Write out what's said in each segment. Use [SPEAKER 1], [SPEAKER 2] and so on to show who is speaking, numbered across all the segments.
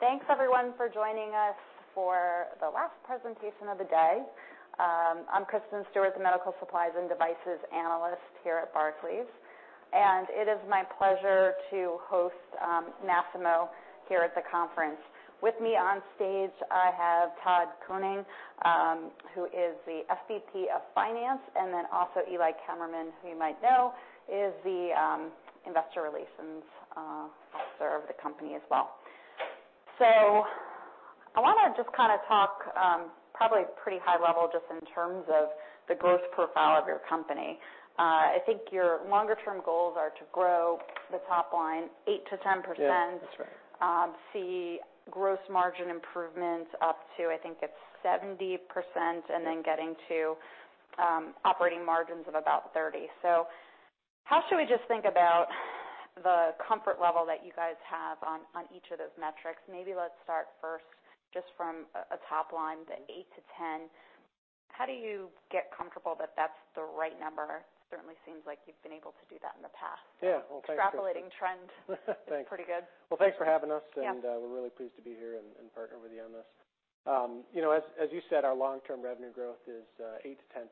[SPEAKER 1] Thanks everyone for joining us for the last presentation of the day. I'm Kristen Stewart, the Medical Supplies and Devices Analyst here at Barclays. And it is my pleasure to host Masimo here at the conference. With me on stage, I have Todd Koning, who is the SVP of Finance, and then also Eli Kammerman, who you might know, is the Investor Relations Officer of the company as well. So I want to just kind of talk probably pretty high level just in terms of the growth profile of your company. I think your longer-term goals are to grow the top line 8%-10%.
[SPEAKER 2] Yeah, that's right.
[SPEAKER 1] See gross margin improvement up to, I think it's 70%, and then getting to operating margins of about 30%. So how should we just think about the comfort level that you guys have on each of those metrics? Maybe let's start first just from a top line, the 8-10. How do you get comfortable that that's the right number? Certainly seems like you've been able to do that in the past.
[SPEAKER 2] Yeah, well, thanks for having us.
[SPEAKER 1] Extrapolating trend.
[SPEAKER 2] Thanks.
[SPEAKER 1] Pretty good.
[SPEAKER 2] Thanks for having us.
[SPEAKER 1] Yeah.
[SPEAKER 2] And we're really pleased to be here and partner with you on this. As you said, our long-term revenue growth is 8%-10%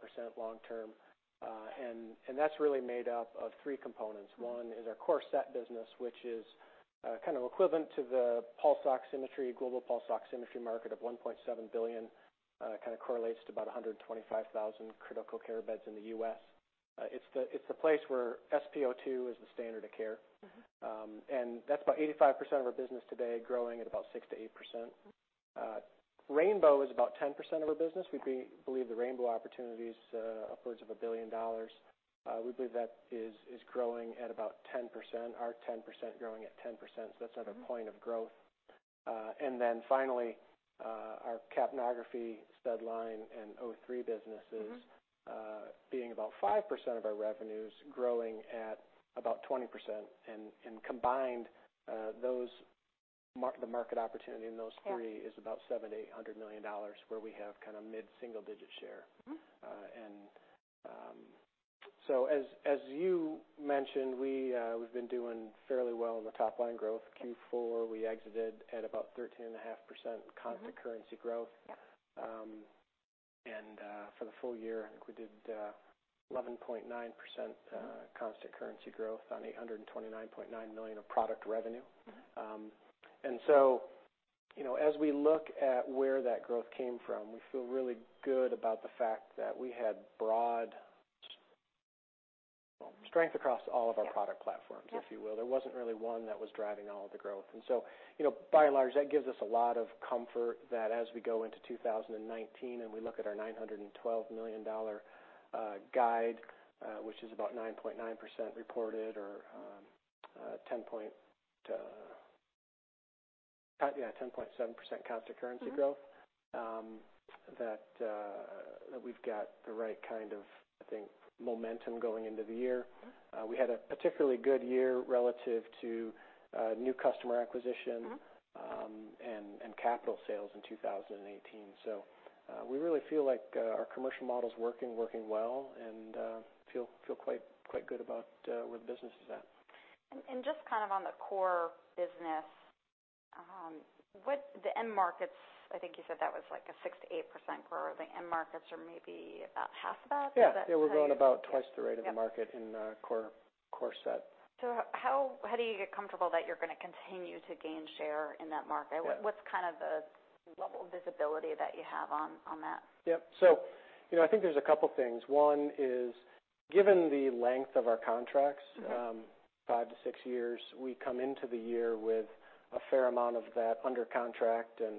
[SPEAKER 2] long-term. And that's really made up of three components. One is our core SET business, which is kind of equivalent to the pulse oximetry, global pulse oximetry market of $1.7 billion, kind of correlates to about 125,000 critical care beds in the U.S. It's the place where SpO2 is the standard of care. And that's about 85% of our business today, growing at about 6%-8%. Rainbow is about 10% of our business. We believe the rainbow opportunity is upwards of $1 billion. We believe that is growing at about 10%, our 10% growing at 10%. So that's another point of growth. Then finally, our capnography, SedLine, and O3 businesses being about 5% of our revenues, growing at about 20%. And combined, the market opportunity in those three is about $700-$800 million, where we have kind of mid-single digit share. And so as you mentioned, we've been doing fairly well in the top line growth. Q4, we exited at about 13.5% constant currency growth. And for the full year, I think we did 11.9% constant currency growth on $829.9 million of product revenue. And so as we look at where that growth came from, we feel really good about the fact that we had broad strength across all of our product platforms, if you will. There wasn't really one that was driving all of the growth. And so by and large, that gives us a lot of comfort that as we go into 2019 and we look at our $912 million guide, which is about 9.9% reported or 10-point, yeah, 10.7% constant currency growth, that we've got the right kind of, I think, momentum going into the year. We had a particularly good year relative to new customer acquisition and capital sales in 2018. So we really feel like our commercial model's working, working well, and feel quite good about where the business is at.
[SPEAKER 1] Just kind of on the core business, the end markets, I think you said that was like a 6%-8% growth. The end markets are maybe about half of that?
[SPEAKER 2] Yeah, they were growing about twice the rate of the market in core SET.
[SPEAKER 1] So how do you get comfortable that you're going to continue to gain share in that market? What's kind of the level of visibility that you have on that?
[SPEAKER 2] Yep. So I think there's a couple of things. One is, given the length of our contracts, five to six years, we come into the year with a fair amount of that under contract, and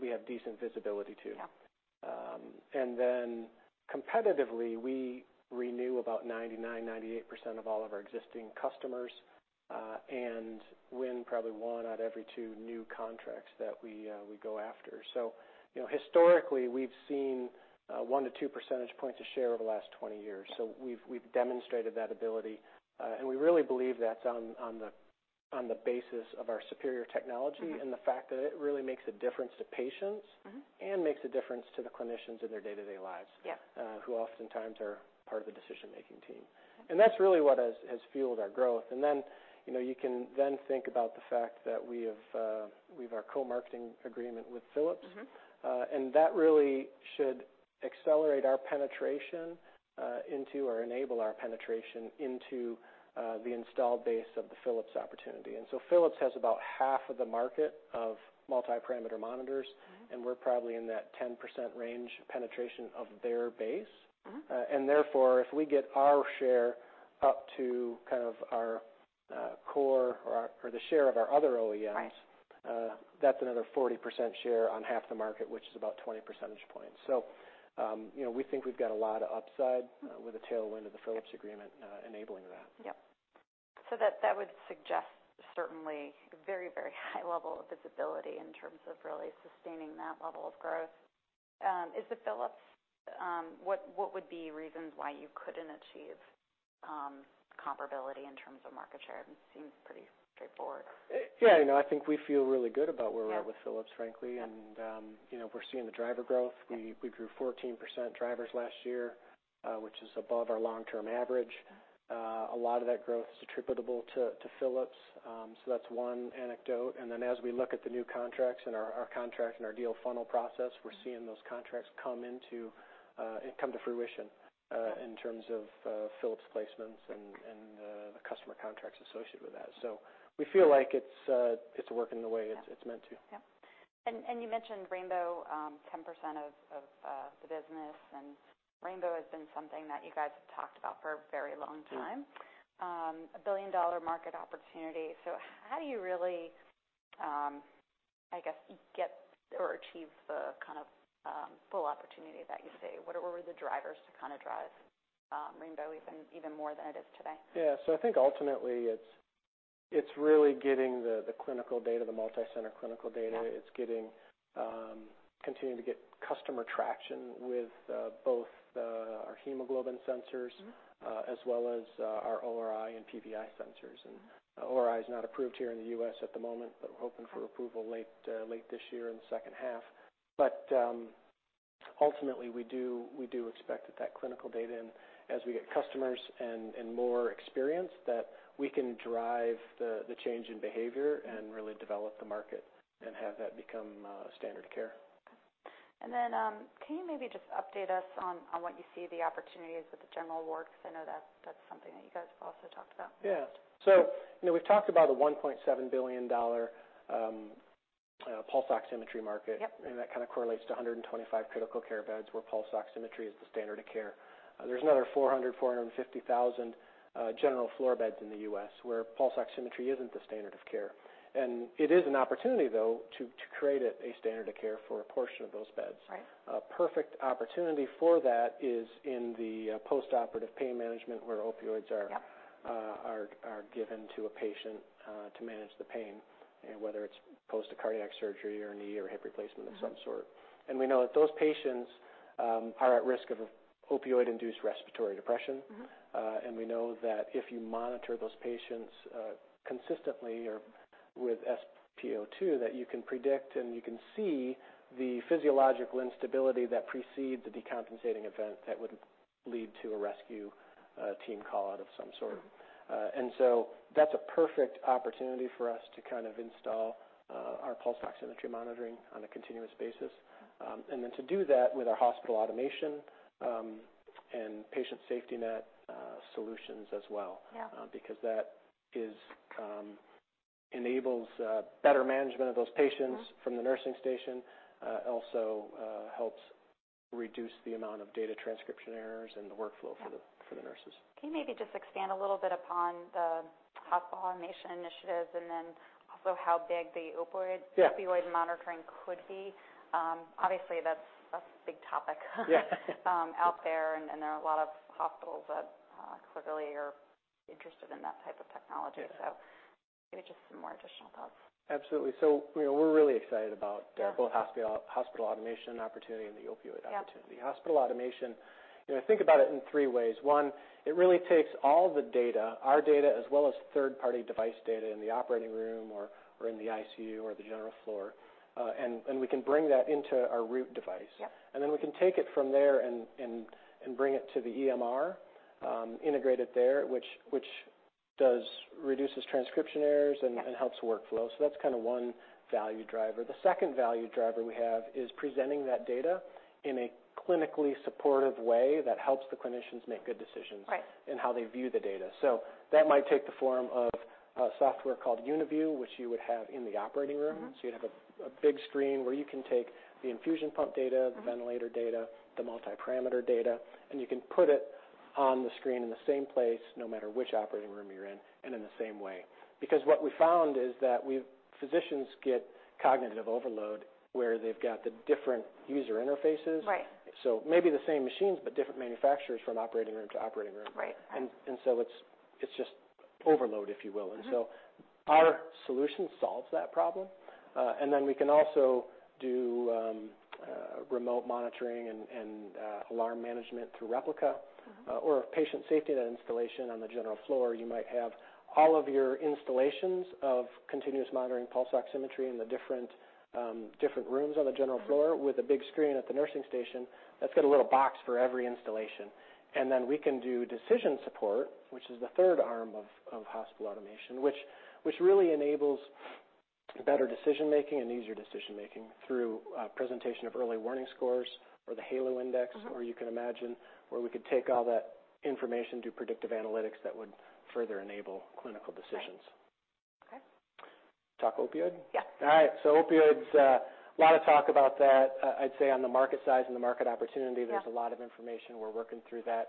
[SPEAKER 2] we have decent visibility too. And then competitively, we renew about 99%-98% of all of our existing customers and win probably one out of every two new contracts that we go after. So historically, we've seen one to two percentage points of share over the last 20 years. So we've demonstrated that ability. And we really believe that's on the basis of our superior technology and the fact that it really makes a difference to patients and makes a difference to the clinicians in their day-to-day lives, who oftentimes are part of the decision-making team. And that's really what has fueled our growth. And then you can think about the fact that we have our co-marketing agreement with Philips. And that really should accelerate our penetration into or enable our penetration into the installed base of the Philips opportunity. And so Philips has about half of the market of multi-parameter monitors, and we're probably in that 10% range penetration of their base. And therefore, if we get our share up to kind of our core or the share of our other OEMs, that's another 40% share on half the market, which is about 20 percentage points. So we think we've got a lot of upside with a tailwind of the Philips agreement enabling that.
[SPEAKER 1] Yep. So that would suggest certainly a very, very high level of visibility in terms of really sustaining that level of growth. Is the Philips what would be reasons why you couldn't achieve comparability in terms of market share? It seems pretty straightforward.
[SPEAKER 2] Yeah, I think we feel really good about where we're at with Philips, frankly. And we're seeing the driver growth. We grew 14% drivers last year, which is above our long-term average. A lot of that growth is attributable to Philips. So that's one anecdote. And then as we look at the new contracts and our contract and our deal funnel process, we're seeing those contracts come into fruition in terms of Philips placements and the customer contracts associated with that. So we feel like it's working the way it's meant to.
[SPEAKER 1] Yep. And you mentioned Rainbow, 10% of the business. And Rainbow has been something that you guys have talked about for a very long time. A $1 billion market opportunity. So how do you really, I guess, get or achieve the kind of full opportunity that you see? What were the drivers to kind of drive Rainbow even more than it is today?
[SPEAKER 2] Yeah. So I think ultimately it's really getting the clinical data, the multi-center clinical data. It's continuing to get customer traction with both our hemoglobin sensors as well as our ORi and PVi sensors. And ORI is not approved here in the U.S. at the moment, but we're hoping for approval late this year in the second half. But ultimately, we do expect that that clinical data and as we get customers and more experience, that we can drive the change in behavior and really develop the market and have that become standard of care.
[SPEAKER 1] And then can you maybe just update us on what you see the opportunities with the general ward? Because I know that's something that you guys have also talked about.
[SPEAKER 2] Yeah. So we've talked about the $1.7 billion pulse oximetry market. And that kind of correlates to 125 critical care beds where pulse oximetry is the standard of care. There's another 400,000-450,000 general floor beds in the U.S. where pulse oximetry isn't the standard of care. And it is an opportunity, though, to create a standard of care for a portion of those beds. Perfect opportunity for that is in the post-operative pain management where opioids are given to a patient to manage the pain, whether it's post a cardiac surgery or knee or hip replacement of some sort. And we know that those patients are at risk of opioid-induced respiratory depression. We know that if you monitor those patients consistently or with SpO2, that you can predict and you can see the physiological instability that precedes the decompensating event that would lead to a rescue team call out of some sort. So that's a perfect opportunity for us to kind of install our pulse oximetry monitoring on a continuous basis. Then to do that with our Hospital Automation and Patient SafetyNet solutions as well. Because that enables better management of those patients from the nursing station. It also helps reduce the amount of data transcription errors and the workflow for the nurses.
[SPEAKER 1] Can you maybe just expand a little bit upon the hospital automation initiatives and then also how big the opioid monitoring could be? Obviously, that's a big topic out there, and there are a lot of hospitals that clearly are interested in that type of technology. So maybe just some more additional thoughts.
[SPEAKER 2] Absolutely. So we're really excited about both hospital automation opportunity and the opioid opportunity. Hospital automation, think about it in three ways. One, it really takes all the data, our data as well as third-party device data in the operating room or in the ICU or the general floor. And we can bring that into our Root device. And then we can take it from there and bring it to the EMR, integrate it there, which reduces transcription errors and helps workflow. So that's kind of one value driver. The second value driver we have is presenting that data in a clinically supportive way that helps the clinicians make good decisions in how they view the data. So that might take the form of software called UniView, which you would have in the operating room. So you'd have a big screen where you can take the infusion pump data, the ventilator data, the multi-parameter data, and you can put it on the screen in the same place no matter which operating room you're in and in the same way. Because what we found is that physicians get cognitive overload where they've got the different user interfaces. So maybe the same machines, but different manufacturers from operating room to operating room. And so it's just overload, if you will. And so our solution solves that problem. And then we can also do remote monitoring and alarm management through Replica. Or Patient SafetyNet installation on the general floor, you might have all of your installations of continuous monitoring pulse oximetry in the different rooms on the general floor with a big screen at the nursing station that's got a little box for every installation. Then we can do decision support, which is the third arm of hospital automation, which really enables better decision-making and easier decision-making through presentation of early warning scores or the Halo Index, or you can imagine where we could take all that information, do predictive analytics that would further enable clinical decisions.
[SPEAKER 1] Okay.
[SPEAKER 2] Talk opioid?
[SPEAKER 1] Yes.
[SPEAKER 2] All right. So opioids, a lot of talk about that. I'd say on the market size and the market opportunity, there's a lot of information. We're working through that.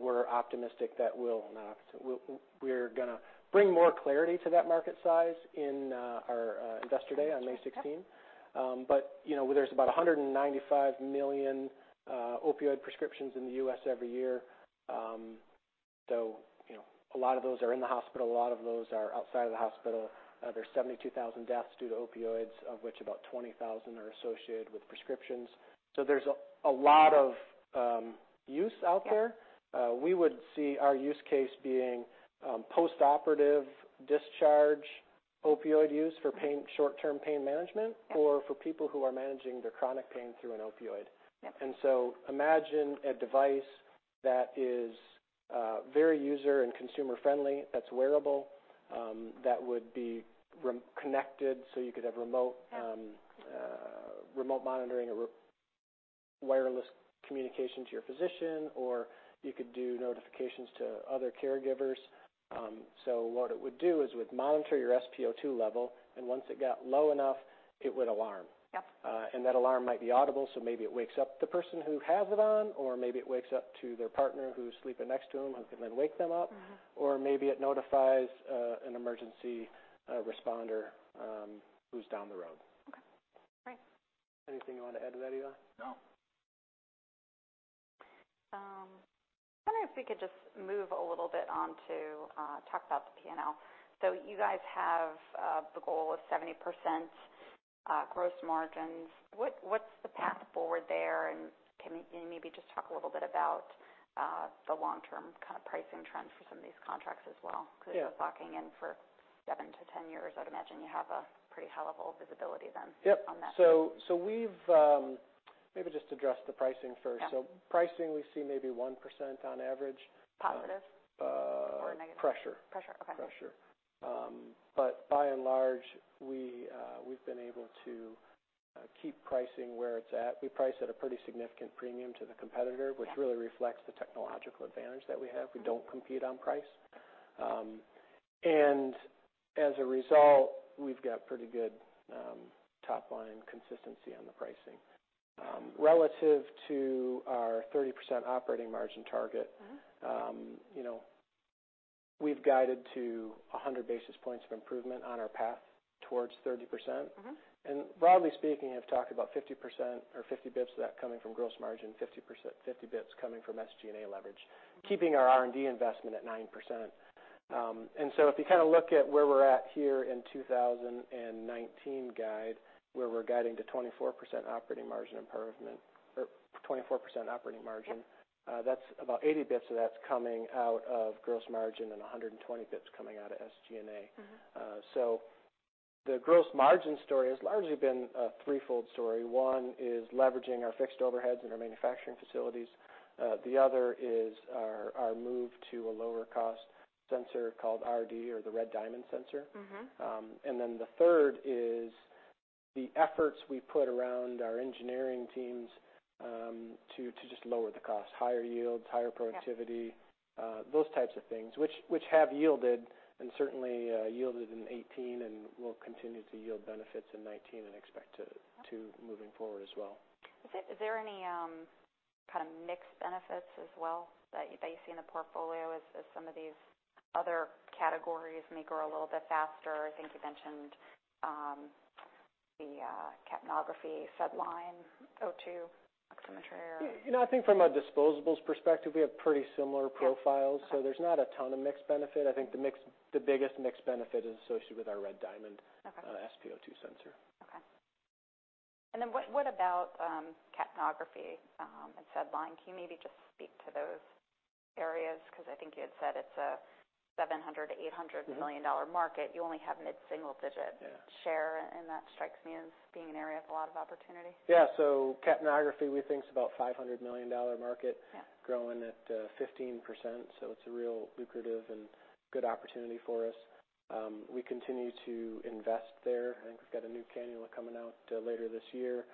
[SPEAKER 2] We're optimistic that we'll not optimistic. We're going to bring more clarity to that market size in our investor day on May 16. But there's about 195 million opioid prescriptions in the U.S. every year. So a lot of those are in the hospital. A lot of those are outside of the hospital. There's 72,000 deaths due to opioids, of which about 20,000 are associated with prescriptions. So there's a lot of use out there. We would see our use case being post-operative discharge opioid use for short-term pain management or for people who are managing their chronic pain through an opioid. And so imagine a device that is very user and consumer-friendly, that's wearable, that would be connected so you could have remote monitoring or wireless communication to your physician, or you could do notifications to other caregivers. So what it would do is it would monitor your SpO2 level, and once it got low enough, it would alarm. And that alarm might be audible, so maybe it wakes up the person who has it on, or maybe it wakes up to their partner who's sleeping next to them who can then wake them up, or maybe it notifies an emergency responder who's down the road.
[SPEAKER 1] Okay. Great.
[SPEAKER 2] Anything you want to add to that, Eli?
[SPEAKER 3] No.
[SPEAKER 1] I wonder if we could just move a little bit on to talk about the P&L. So you guys have the goal of 70% gross margins. What's the path forward there? And can you maybe just talk a little bit about the long-term kind of pricing trends for some of these contracts as well? Because we're talking in for 7 to 10 years, I'd imagine you have a pretty high level of visibility then on that.
[SPEAKER 2] Yep. So we've maybe just addressed the pricing first. So pricing, we see maybe 1% on average.
[SPEAKER 1] Positive or negative?
[SPEAKER 2] Pressure.
[SPEAKER 1] Pressure. Okay.
[SPEAKER 2] Pressure. But by and large, we've been able to keep pricing where it's at. We price at a pretty significant premium to the competitor, which really reflects the technological advantage that we have. We don't compete on price. And as a result, we've got pretty good top-line consistency on the pricing. Relative to our 30% operating margin target, we've guided to 100 basis points of improvement on our path towards 30%. And broadly speaking, I've talked about 50 basis points or 50 basis points of that coming from gross margin, 50 basis points coming from SG&A leverage, keeping our R&D investment at 9%. And so if you kind of look at where we're at here in 2019 guide, where we're guiding to 24% operating margin improvement or 24% operating margin, that's about 80 basis points of that's coming out of gross margin and 120 basis points coming out of SG&A. The gross margin story has largely been a threefold story. One is leveraging our fixed overheads in our manufacturing facilities. The other is our move to a lower-cost sensor called RD or the Red Diamond sensor. And then the third is the efforts we put around our engineering teams to just lower the cost, higher yields, higher productivity, those types of things, which have yielded and certainly yielded in 2018 and will continue to yield benefits in 2019 and expect to moving forward as well.
[SPEAKER 1] Is there any kind of mixed benefits as well that you see in the portfolio as some of these other categories may grow a little bit faster? I think you mentioned the capnography, SedLine, O3 oximetry, or.
[SPEAKER 2] I think from a disposables perspective, we have pretty similar profiles. So there's not a ton of mixed benefit. I think the biggest mixed benefit is associated with our Red Diamond SpO2 sensor.
[SPEAKER 1] Okay. And then what about capnography and SedLine? Can you maybe just speak to those areas? Because I think you had said it's a $700 million-$800 million market. You only have mid-single digit share. And that strikes me as being an area of a lot of opportunity.
[SPEAKER 2] Yeah. So capnography, we think it's about a $500 million market growing at 15%. So it's a real lucrative and good opportunity for us. We continue to invest there. I think we've got a new cannula coming out later this year,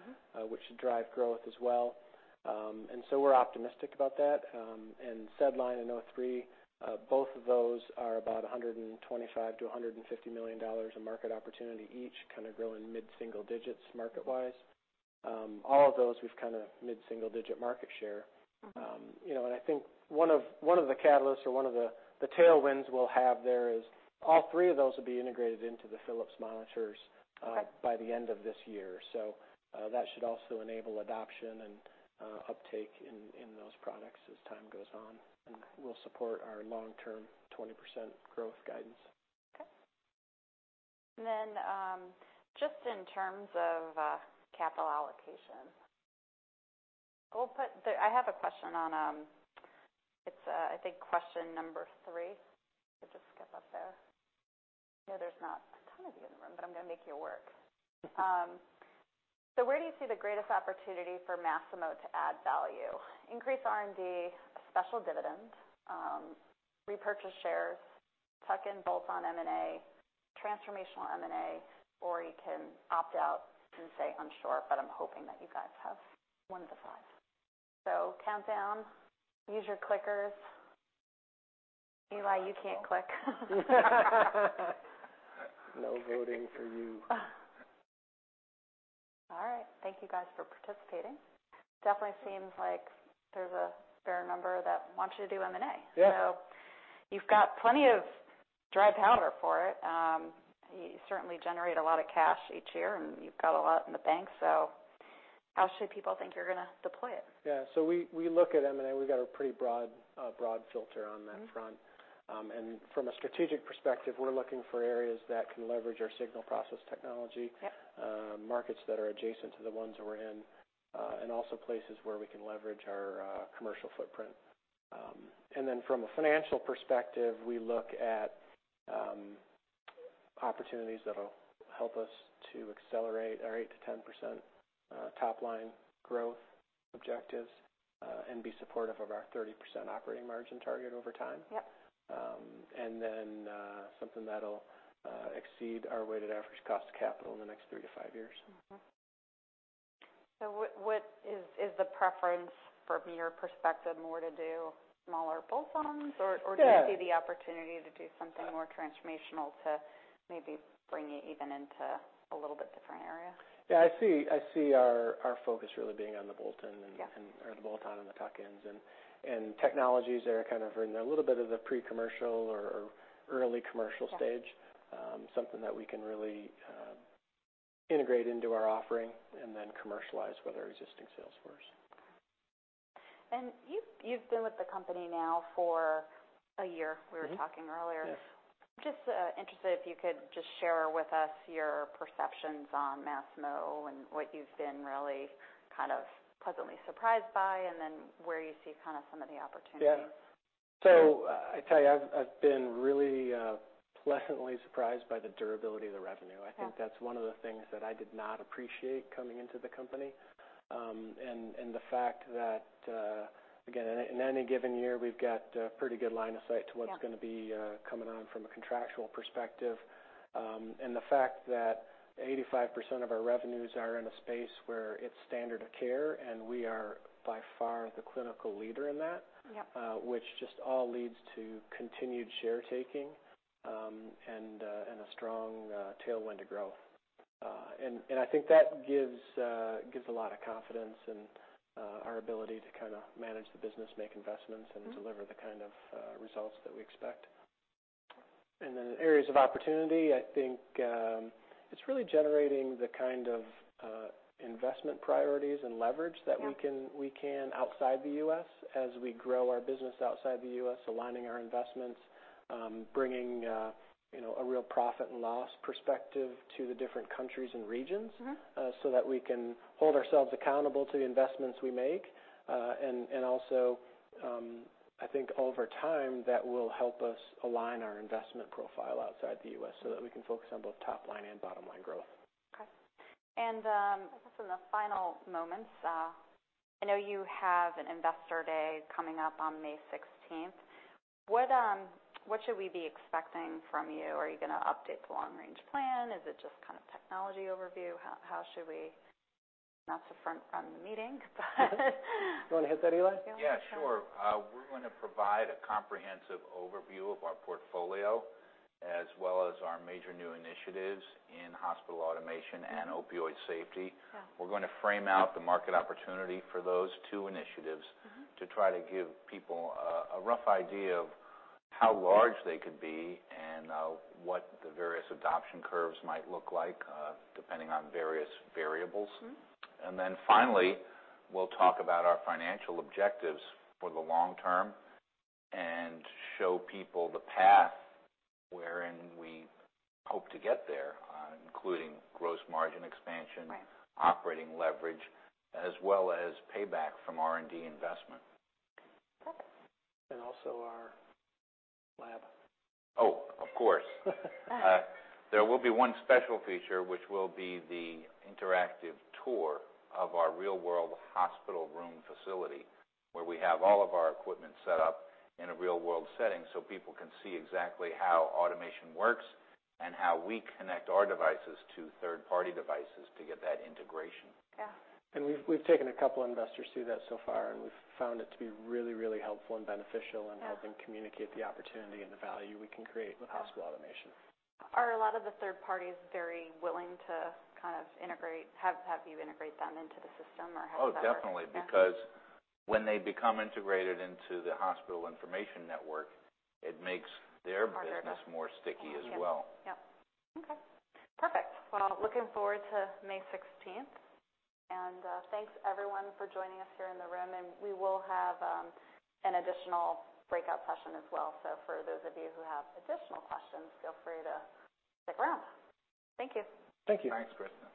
[SPEAKER 2] which should drive growth as well. And so we're optimistic about that. And SedLine and O3, both of those are about $125 million-$150 million of market opportunity each, kind of growing mid-single digits market-wise. All of those, we've kind of mid-single digit market share. And I think one of the catalysts or one of the tailwinds we'll have there is all three of those will be integrated into the Philips monitors by the end of this year. So that should also enable adoption and uptake in those products as time goes on. And we'll support our long-term 20% growth guidance.
[SPEAKER 1] Okay. And then just in terms of capital allocation, I have a question on, I think, question number three. You could just skip up there. I know there's not a ton of you in the room, but I'm going to make you work. So where do you see the greatest opportunity for Masimo to add value? Increase R&D, special dividend, repurchase shares, tuck-in bolt-on M&A, transformational M&A, or you can opt out and say, "I'm short, but I'm hoping that you guys have one of the five." So countdown, use your clickers. Eli, you can't click.
[SPEAKER 2] No voting for you.
[SPEAKER 1] All right. Thank you guys for participating. Definitely seems like there's a fair number that wants you to do M&A. So you've got plenty of dry powder for it. You certainly generate a lot of cash each year, and you've got a lot in the bank. So how should people think you're going to deploy it?
[SPEAKER 2] Yeah. So we look at M&A. We've got a pretty broad filter on that front. And from a strategic perspective, we're looking for areas that can leverage our signal processing technology, markets that are adjacent to the ones that we're in, and also places where we can leverage our commercial footprint. And then from a financial perspective, we look at opportunities that'll help us to accelerate our 8%-10% top-line growth objectives and be supportive of our 30% operating margin target over time. And then something that'll exceed our weighted average cost of capital in the next three to five years.
[SPEAKER 1] So is the preference from your perspective more to do smaller bolt-ons, or do you see the opportunity to do something more transformational to maybe bring it even into a little bit different area?
[SPEAKER 2] Yeah. I see our focus really being on the bolt-on and the tuck-ins and technologies that are kind of in a little bit of the pre-commercial or early commercial stage, something that we can really integrate into our offering and then commercialize with our existing sales force.
[SPEAKER 1] You've been with the company now for a year. We were talking earlier. I'm just interested if you could just share with us your perceptions on Masimo and what you've been really kind of pleasantly surprised by, and then where you see kind of some of the opportunity.
[SPEAKER 2] Yeah. So I tell you, I've been really pleasantly surprised by the durability of the revenue. I think that's one of the things that I did not appreciate coming into the company. And the fact that, again, in any given year, we've got a pretty good line of sight to what's going to be coming on from a contractual perspective. And the fact that 85% of our revenues are in a space where it's standard of care, and we are by far the clinical leader in that, which just all leads to continued share taking and a strong tailwind to growth. And I think that gives a lot of confidence in our ability to kind of manage the business, make investments, and deliver the kind of results that we expect. And then in areas of opportunity, I think it's really generating the kind of investment priorities and leverage that we can outside the U.S. as we grow our business outside the U.S., aligning our investments, bringing a real profit and loss perspective to the different countries and regions so that we can hold ourselves accountable to the investments we make. And also, I think over time, that will help us align our investment profile outside the U.S. so that we can focus on both top-line and bottom-line growth.
[SPEAKER 1] Okay. And I guess in the final moments, I know you have an investor day coming up on May 16th. What should we be expecting from you? Are you going to update the long-range plan? Is it just kind of technology overview? How should we not so front-run the meeting, but?
[SPEAKER 2] You want to hit that, Eli?
[SPEAKER 3] Yeah. Sure. We're going to provide a comprehensive overview of our portfolio as well as our major new initiatives in hospital automation and opioid safety. We're going to frame out the market opportunity for those two initiatives to try to give people a rough idea of how large they could be and what the various adoption curves might look like depending on various variables. And then finally, we'll talk about our financial objectives for the long term and show people the path wherein we hope to get there, including gross margin expansion, operating leverage, as well as payback from R&D investment.
[SPEAKER 1] Perfect.
[SPEAKER 2] And also our lab.
[SPEAKER 3] Oh, of course. There will be one special feature, which will be the interactive tour of our real-world hospital room facility where we have all of our equipment set up in a real-world setting so people can see exactly how automation works and how we connect our devices to third-party devices to get that integration.
[SPEAKER 2] We've taken a couple of investors through that so far, and we've found it to be really, really helpful and beneficial in helping communicate the opportunity and the value we can create with hospital automation.
[SPEAKER 1] Are a lot of the third parties very willing to kind of integrate? Have you integrate them into the system or have you had to?
[SPEAKER 3] Oh, definitely. Because when they become integrated into the hospital information network, it makes their business more sticky as well.
[SPEAKER 1] Yep. Okay. Perfect. Looking forward to May 16th. Thanks, everyone, for joining us here in the room. We will have an additional breakout session as well. For those of you who have additional questions, feel free to stick around. Thank you.
[SPEAKER 2] Thank you.
[SPEAKER 3] Thanks, Kristen.
[SPEAKER 1] Okay.